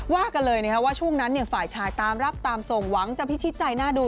ว่ากันเลยนะครับว่าช่วงนั้นฝ่ายชายตามรับตามส่งหวังจะพิชิตใจหน้าดู